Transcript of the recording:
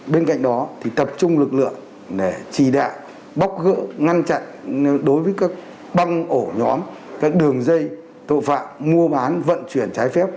bên cạnh đó thì tập trung lực lượng để chỉ đạo bóc gỡ ngăn chặn đối với các băng ổ nhóm các đường dây tội phạm mua bán vận chuyển trái phép